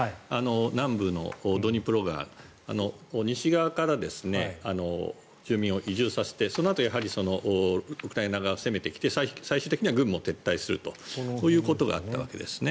南部のドニプロ川の西側から住民を移住させてそのあとウクライナ側が攻めてきて最終的には軍も撤退するということがあったわけですね。